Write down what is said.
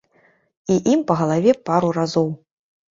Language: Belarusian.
І ім па галаве пару разоў.